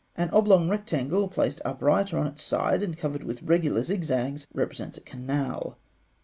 An oblong rectangle placed upright, or on its side, and covered with regular zigzags, represents a canal.